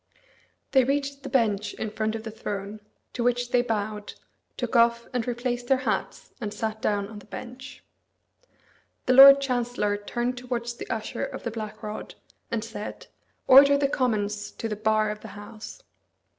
They reached the bench in front of the throne, to which they bowed, took off and replaced their hats, and sat down on the bench. The Lord Chancellor turned towards the Usher of the Black Rod, and said, "Order the Commons to the bar of the House."